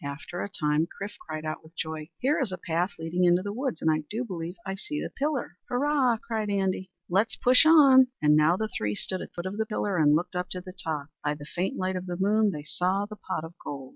After a time Chrif cried out with joy, "Here is a path leading into the woods. And I do believe I see the pillar!" "Hurrah!" cried Andy, "let's push on!" And now the three stood at the foot of the pillar and looked up to the top. By the faint light of the moon they saw the pot of gold.